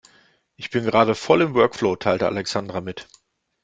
Ich bin gerade voll im Workflow, teilte Alexandra mit.